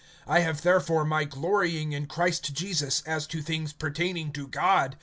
(17)I have therefore my glorying in Christ Jesus, as to things pertaining to God.